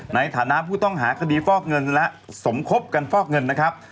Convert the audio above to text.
ในฐานะผู้ต้องหาคดีฟอกเงินและสมคบกันฟอกเงินนะครับ